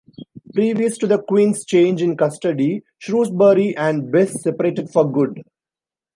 Previous to the Queen's change in custody, Shrewsbury and Bess separated for good.